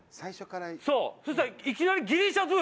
そしたら。